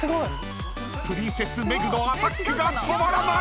［プリンセス・メグのアタックが止まらない！］